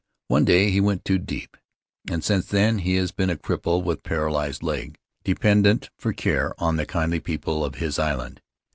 One day he went too deep, and since then he had been a cripple with paralyzed legs, dependent for care on the kindly people of his island.